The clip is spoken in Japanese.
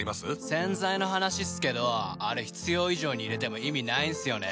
洗剤の話っすけどあれ必要以上に入れても意味ないんすよね。